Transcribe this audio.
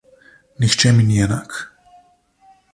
Nihče mi ni enak.